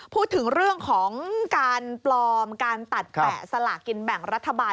พูดถึงเรื่องของการปลอมการตัดแปะสลากินแบ่งรัฐบาล